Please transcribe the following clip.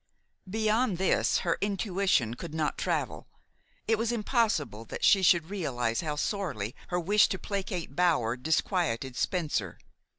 Beyond this her intuition could not travel. It was impossible that she should realize how sorely her wish to placate Bower disquieted Spencer.